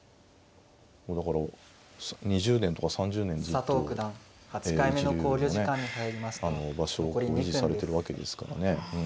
だから２０年とか３０年ずっと一流のね場所を維持されてるわけですからね。